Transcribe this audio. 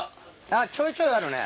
あっちょいちょいあるね。